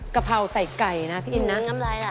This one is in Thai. กะเพราใส่ไก่นะพี่อินนะ